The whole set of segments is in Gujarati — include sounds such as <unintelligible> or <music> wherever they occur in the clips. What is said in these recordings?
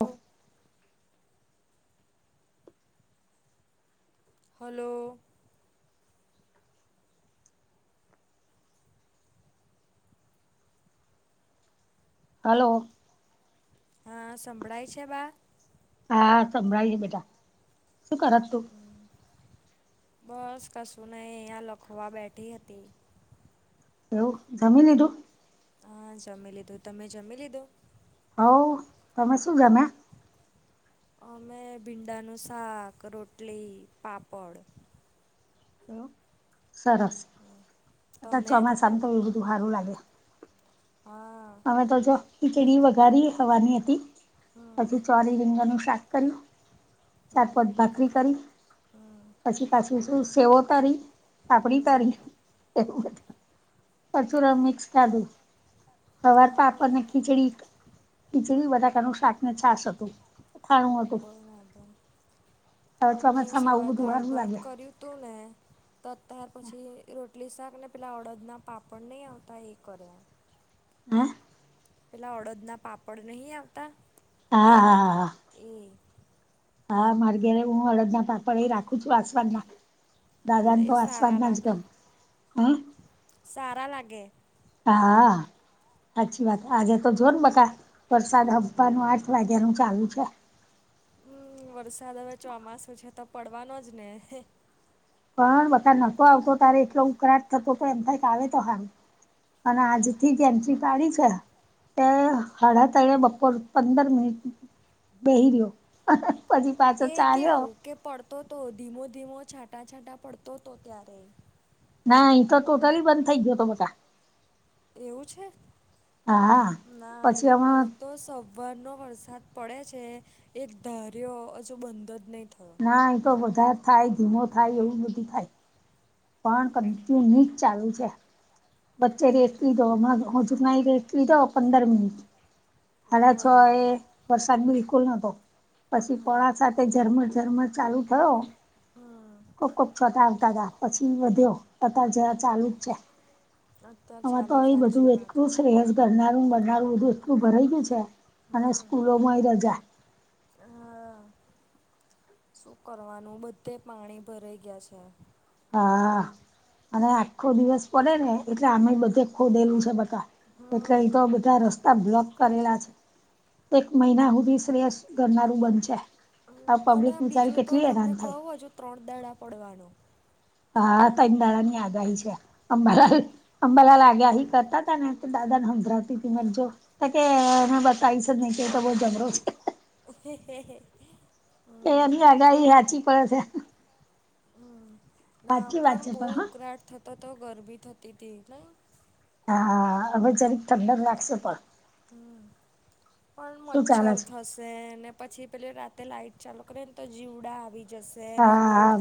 ઓ હલો. હલ્લો. હા સંભળાય છે બા હા સંભળાય છે બેટા શું કરત તું? બસ કશું નને અહયા લખવા બેઠી હતી. એવું જમી લીધું હા જમી લીધું તમે જમી લીધું હઉ તમે શું ગમ્યા અમે ભીંડાનું શાક રોટલી પાપડ એવું સરસ આટ તમે ચોમાસામ તો એવ બધું સારું લાગે હા અમે તો જો ખીચડી વઘારી હવાની હતી હમ પછી ચોરી રીંગનું શાક કર્યું હમ ચારપત ભાકરી કરી હમ પછી પાછી શું સેવો તરી આપડી હમ તારી એ મિક્સા સવાર હા પાપડ ખીચડી ખીચડી બધાકારનું શાક ને છાસ હતું. ખાણું હતું બરાબર હવે અમે ચોમાસામાં આવું સવારે બધું દાળ સારું ભાત લાગે કર્યું તું ને ત ત્યાર પછી રોટલી શાક ને પેલાં અડદના પાપડ નહીં આવતા એ કર્યા હમ પેલા અડદના પાપડ નહી આવતા હા હા હા હા. એ હા માર ઘેરે હું હડદના પાપડ એ રાખું છું આસવાન ના હા દાદાને તો એ વાસવા સારા લાગે નાજગમ હ સારા લાગે હા સાચી વાત આજે તો જો ને બકા વરસાદ હપ્ાનું આઠ વાગ્યાનું ચાલુ છે. હમ વરસાદ હવે ચોમાસું છે તો પડવાનો જ ને પણ બધા નતો આવતો તારે એટલો ઉકળાટ થતો તો એમ કઈક આવે તો સારું અને આજ હમ. થી જ એન્ટ્રી તારીખ તે હળ ત બપોર પંદર મિનટ વહી રહ્યો પછી પાછો એ ચાલ્યો કેવું કે પડતો હતો ધીમો ધીમો છાંટાં છાંટાં પડતો હતો ત્યારે ના એ તો ટોટલી બંધ થઇ ગયો હતો બધા એવું છે હા ના પછી હમણાં અહી તો સ વરનો વરસાદ પડે છે એક ધાર્યો હજુ બંધ જ નહીં થયો. નાા એ તો વધારે થાય ધીમો થાય એવું બધું થાય પણ કર તું નીચ ચાલુ છે. વચ્ચે રે એકવી દોજુનાઈ રેટવી દો પંદર મિનિટ હ છો એ બરાબર વરસાદ બિલકુલ નતો પછી હમ પોળા સાથે ઝરમર ઝરમર ચાલુ હ હમ ખૂબ ખૂબ છોટા દાદા વધ્યો તતા જ ચાલુ જ છે અત્યાર આમાં તો ચાલુ એ સાચી બધું વાત એટલું સેસ કરનારું મળરનારું બધું એટલું ભરા ગયું છે અને સ્કૂલોમાંય રજા હ શું કરવાનું બધે પાણી ભરાઈ ગયા છે. હા અને આખો દિવસ પડે ને એટલે આમે બધે ખોદેલું છે બધ એટ હમ કઈ તો બધા રસ્તા બ્લોક કરેલા છે એક મહિના સુધી શ્રેયસ કરનારું બન છે. અને બીજું તો તમને થાય કઉું હજુ ત્રણ દડા પડવાનું હા ત દળા ની આગાહી છે અંબાલાલ અંબાલા લાગ્યા હ કરતા તને દાદાનેભરાતી ત મજજો ત કે મેં બતાઈ છે નની કે તો બહ જઘરો છે હ કે એની આગાહી સાચી પડે છે. હમ ના સાચી વાત પણ છે બહુ હા ઉકળાટ થતો તો ગરબી થતી હતી. હા હવે જ્યારેક ઠંડક નાખશેો પણ. હમ પણ શું ચાલે મચ્છર છે થશે ને. પછી પેલે રાતે લાઈટ ચાલુ કરી ને તો જીવડા આવી જ. હા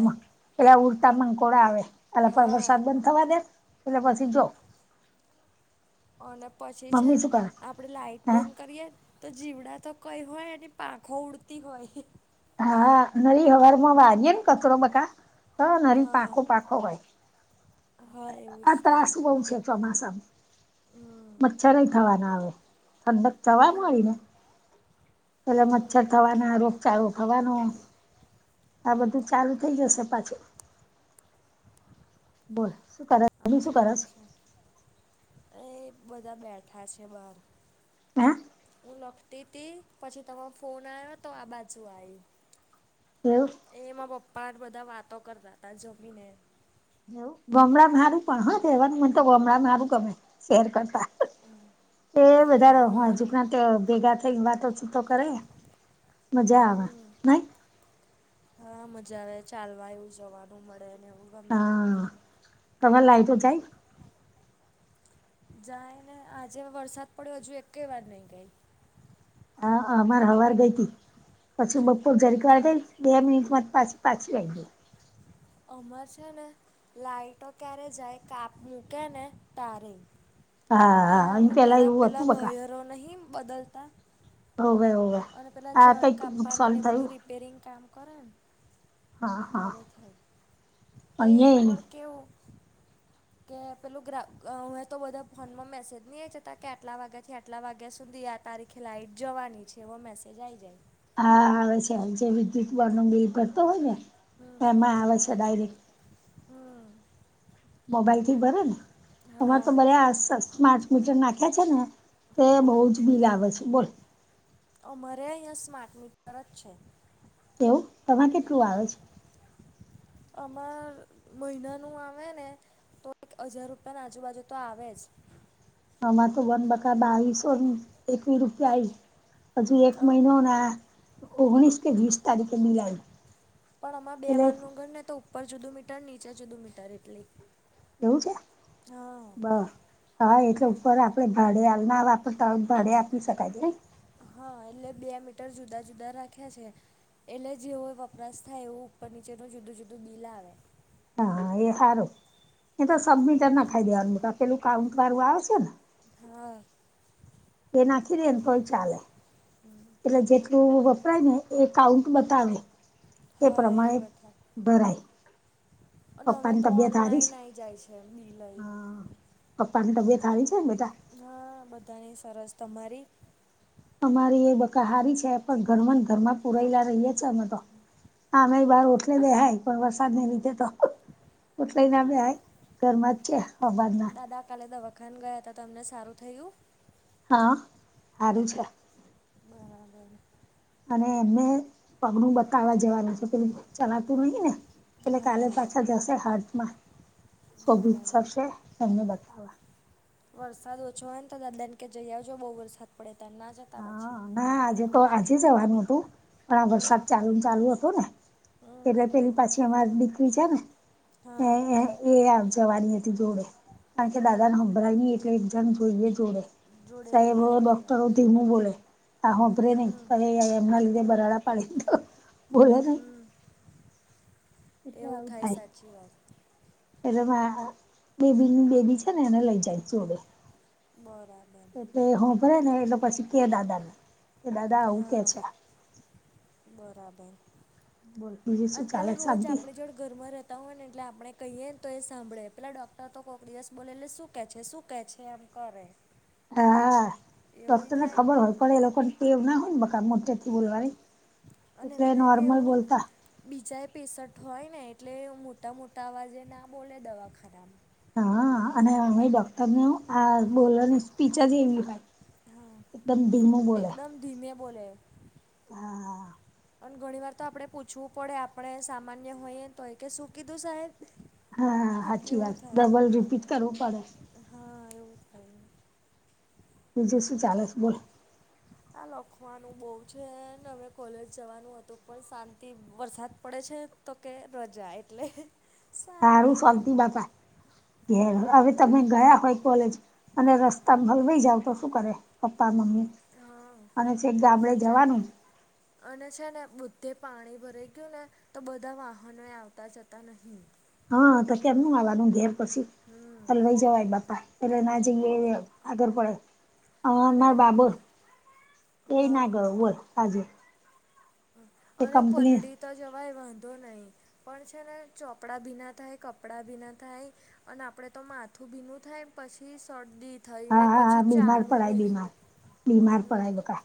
પલા ઉલતા મકોડા આવે. એ વરસાદ હા બંધ થવા દે એટલે હમ પછી જો. અને પછી છે મમ્મી શું કરે આપડે લાાઈટ હે બંધ. કરીએ તો જીવડા તો કઈ હોય ને પાંખો ઉડતી હોય. હા નળી હવાર માં વાગે ને કચરો બકા તો નળ હા પાંખો પાંખો હોય. હા એવું જ આ ત્રાસ થાય બહુ છે ચોમાસામાં હમ મચ્છર નહી થવાના આવે. તદક થવાનું હોય હમ ને પેલા હમ મચ્છર થવાના ર. ગુંભાવનો. <inaudible> આ બધું ચાલુ. થઈ જશે પાછી બોલ શું કરે. બીજું શું સાચચછી કરે વાત છે એ બધા બેઠા છે બાર. હ. હું લખતી હતી પછી તરો ફોન આવ્યો તો આ બાજુ આવી. હલો. એમાં પપ્પા બધા વાતો કરતા હતા જમીને. એવું ગમડા મારું પણ હ તોવાનું મને તો ગમડા મારું ગમે શેર કરતા. એ વધારે હ હા હજુક ના તો ભેગા થઈ વાતો છૂતો કરે. મજા આવે હમ નાહી. હા મજા આવે ચાલવા એવું જવાનું મળે ને એવું. ગમે હા તમેરે લાઈટું જાય. જાય ને આજે વરસાદ પડ્યો હજુ એકઈ વાત નઈ ગઈ. હા અમાર હવાર ગઈ હતી પછી બપોર ના જરીકાઈ. બે મિટમાં પાછી પાછી લાગી. અમર છે ને લાઈટો ક્યારે જાય કાપ મૂકે ને તારે. હા હા ત્યાં એ ઉનાળા એવું હતું પેલા બકા વયરો નહીં બદલતા. હોવે હોવે અને પેલા આ જળ કઈક કાપવાનું નુકસાન ને બધું થયું રિપેરિંગ કામ કરે. હા હા ત્યારે થાય તો એ પણ કેવું. હ. કે પેલું ગ્રા હવે તો બધા ફોનમાં મેસેજ નહીં જતા કે આટલા વાગ્યાથી આટલા વાગ્યા સુધી યાર. તારીખે લઇટ જવાની છે એવો મેસેજ આવી જાય. હા આવે છે છે વિદ્યુત કરતો હોય ને હમ એમાં આવે છે ડાયરેક્ટ. હમ. મોબાઈલ થી ભરે ને અમારે હા તો ભલે સ્માર્ટ મીટર નાખ્યા છે ને. તે બહઉ હમ જ બિલ આવે છે બોલ. અમારે અહિયાં સ્માર્ટ મીટર જ છે. એવું તમારે કેટલું <inaudible> <unintelligible> અમાર મહિના નું આવે ને. તો એક હજાર રૂપિયાની આજુબાજુ તો આવે જ. હમાં તો વન બકા બાવીસ. તો એકવી રૂપિયા હજુ એક ઓહો મહિનોના. ઓગણીસ કે વીસ તારીખે મલાાય. પણ આમા બે માલનુંું ઘર ને તો ઉપર જુદું મીટર નીચે જુદુ મીટર એટલી. એવું છે બ. હા એટલે ઉપર આપડે ભાડે ના વાપરતા હોય ભાડે આપી શકાય છે. હા એટલે બે મીટર જુદા જુદા રાખ્યા છે. એટલે જે હોય વપરાશ થાય એવું ઉપર નીચેનું જુદું જુદું બિલ આવે. હા એ હારું એ તો સબમિટર નખાઈ દેવાનું મ પેલું કાઉન્ટ વાળું આવશે ને હા. એ નાખી દેને તોએ ચાલે. એટલે જેટલું વપરાય ને એ કાઉન્ટ બતાવે હે હા એ પ્રમાણે બધા. ભરાય. અને હવે પપ્પાની તો તબિયત હારી છે ઓનલાઈન આઈ જાય છે બિ લઈ. પપ્પા ની તબિયત હારી છે બેટા. હા બધાની સરસ તમારી અમારી એ બકા હારી છે પણ ઘરમાં ઘરમાં પુરાયેલા રહીએ છી અમે તો આ એ બાર તો ઉઠલેને હાય પણ વરસાદ ના લીધ તો. ઉઠલાય ના હમ બેહાય ઘરમાં છે હવારના. દા કાલે દવા. ખાન ગયા હતા તો તમને સારું થયું. હા હારું છે. બરાબર. અને એમને પગડું બતાવવા જેવાનું છે પ ચલાતું નહી ને. એટલે કાલે હા. પાછા જશે હારથમાં શભી બરાબર. થશે એમને બતાવા વરસાદ ઓછો હોય તો દાદાને કે જઈ આવજો બહુ વરસાદ પડે તાર ના જ. હા ના આજે તો આજ જવાનું હતું પણ આ હમ વરસાદ ચાલુ ને ચાલુ. હો ને એટલે પેલી પાછી અમારી દીકરી છે ને હા એ. જવાની હતી જોડે કારણ કે દાદાને હંભળાય નહીં એ એટલે એક જણ જોઈએ જોડે. જોડે જોઈએ સાહેબો સાચી વાત ડોક્ટરો ધીમું બોલે આ હોભરે નહી પણ એમના લીધે બરાડા પાડીને તો બોલે નહી. એટલે એવું આવું થાય સાચી વાત. એટલે મા બેબીની બેબી છે ને એને લઈ જાય જોડે. બરાબર. એટલે હું ભરાય ને એટલે પછી કે દાદાને કે દાદા આવું કે હા છે બરાબર. બોલ બીજું અને શું પેલો ચાલે રોજ શાંતિ આપણી જોડ ઘરમાં રે. તો હોય ને એટલે આપણે કહીએ ને તો એ સાંભળે પેલા ડોક્ટર તો કોઈક દિવસ બોલે એટલે શું કેહે છે શું કેહે છે એમ કરે. હ <unintelligible> હા એવું ડાક્ટર ને થાય ખબર હો પડે એ લોકો ને ટેવ ના હોય બકા મોટેથી બોલવાની. અને તો એમને નોર્મલ કેવું બોલતા. બીજા એ પેશન્ટ હોય ને એટલે મોટા મોટા અવાજે ના બોલે દવાખાનામાં હા અને અમે ડોક્ટર ન આ બોલવાની સ્પીચ જ એમ લખાઈ હા એકદમ ધીમો બોલ્યા. એકદમ ધીમે બોલે. હા. અને ઘણી વાર તો આપડણે પૂછવું પડે આપણે સામાન્ય હોયએ તો કે શું કીધું સાહેબ હા હાચી એવું વાત થાય ડબલ રીપીટ કરવું પડે. હા એવું થાય. બીજે શું ચાલે છે બોલ. આ લખવાનું બહુ છે અવે કોલેજ જવાનું હતું પણ શાંતિ વરસાદ પડે છે. તો કે રજા એટલે. હારું શાંતિ બાપા હમ હવે તમે. ગયા હોય કોલેજ અને રસ્તા હલવાઈ જાવ તો શું કરે પપ્પા મમ્મી હા અને છેક ગામડે સાચી વાત જવાનું અને છે ને બુદ્ધે પાણી ભરાઈ ગયું ને તો બધા વાહનો એ આવતા જતા નહીં. હા તો કેમ નુ આવાનું ઘેર પછી હમ હલવાઈ જવાય બાપા. રન આજે યેએ આગળ પડે અ અને મારો બાબો એ ના હા ગયો, બોલ આજે. એ અરે કંપની પલડી તો જવાય વાંધો નહીં, પણ છે ને ચોપડાં ભીના થાય, કપડાં ભીના થાય. અને આપડે તો માથું ભીનું થાય પછી સરદી થઈને હા હા હા પછી બીમાર ચાલુ પડાય રહેે, બીમાર બીમાર હમ્મ પડાય બકા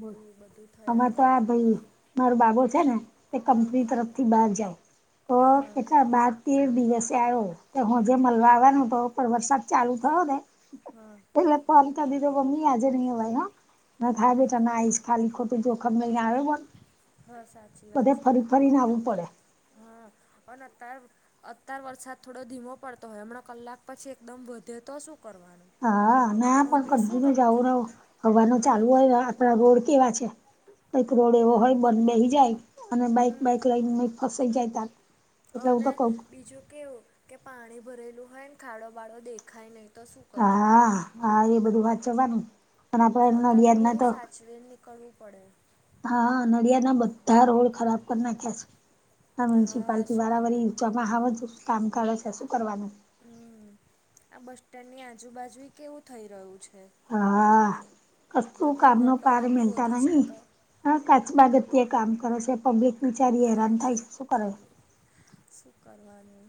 બોલ બધું થયા અમે તો કરે આ ભાઈ મારો બાબો છેને, એ હમ કંપની તરફથી બહાર જાય, તો હા કેટલા બાર તેર દિવસે આયો, ને હાંજે મળલવા આવ્યાને હુતો, પણ વરસાદ ચાલુ થયો ને હા ફોન કર દીધો મમ્મી આજે નહિ અવાય હ, મે હા બેટા ના આઈશ ખાલી ખોટી જોખમ નહીં આવે પણ, હા સાચી વાત બધે છે ફરી ફરીને આવવું પડે. હા અને તાર અત્યાર વરસાદ થોડો ધીમો પડતો હોય, હમણાં કલાક પછી એકદમ વધે તો શું કરવાનું? હા, ના પણ આનું શું કન્ટિન્યુ જાવું નક્કી રહું, હવારનુ હમ ચાલુ હોયને. આપણા રોડ કેવા છે, કઈક રોડ એવો હમ હોય બંધ બેહી જાય અને બાઈક હમ બાઈક લઈને ફસાઈ જાય તાર. એટલે હું તો અને કઉ બીજું કેવું, કે પાણી ભરેલું હોયન ખાડો બાળો દેખાય નહી. તો શું કરવાનું? હા હા એ બધું વાંચવાનું. અને આપડે અતારતો બહુ નડિયાદના તો સાચવીને નીકળવું પડે. હા, નડિયા ના બધા રોડ ખરાબ કર નાખ છે, આ હા મ્યુનિસિપાલટી શું વારા વરી, કરવાનું ચોમા હાવેને તો કામ કાઢે શે, શું કરવાનું? હમ્મ, આ બસ સ્ટેન્ડની આજુબાજુઈ કેવું થઈ રહ્યું છે. હા, કશું બધી કામનો પાર ગટરો મિનતા ખોદી છે નહી. તો હા કાચબા ગતિએ કામ કરે છે, પબ્લિક વિચારી હા હેરાન થાય છે, શું કરે શું કરવાનું?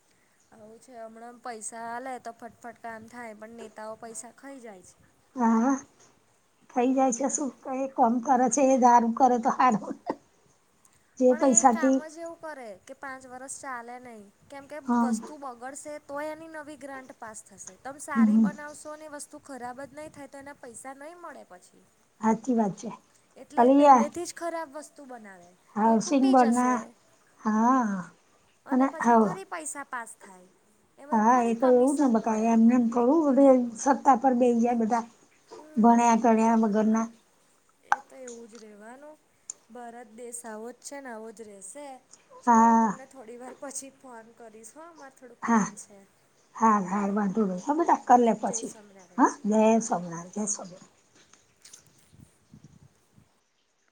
<inaudible> આવું છે, હમણાં પૈસા આલે તો ફટફટ કામ થાય, પણ નેતાઓ પૈસા ખઇ જાય છે. વાવા થઈ જાય છે હમ શુ, એ કોમ કરે છે, એ હારું કરે તો હારું. જે પણ એ કામ પૈસાથી જ એવું કરે, કે પાંચ વરસ ચાલે નઈ, કેમ કે હા વસ્તુ બગડશે તો એની નવી ગ્રાન્ટ પાસ થશે, તમ સારી હમ બનાવશો તો ની વસ્તુ ખરાબજ નઈ થાય, તો એને પૈસા નઈ મળે પછી. હાચી વાત છે. એટલે એ અલીયા પેલ્લેથી જ ખરાબ વસ્તુ બનાવે. તે હાઉસિંગ તૂટી જશે બના હા. અને પછી ફરી પૈસા પાસ થાય. એમાં હા, એ ફરી તો એવુંજ ને કમિશન બકા એ મળે એમને એમ થોડું સત્તા પર બેઈ ગયા બધાં, ભન્યા ગન્યા વગરના. એ તો એવુંજ રેવાનું, ભારત દેશ આવોજ છે, ને આવોજ રેશે. ચલો હું હા તમને થોડી વાર પછી ફોન કરીશ હ, માર થોડુંક કામ છે. હાલ હા હાલ, ને વાંધો નઈ હ બેટા હા કરલે જય પછી, હ સ્વામિનારાયણ જય હા સોમનાથ, જય સોમનાથ.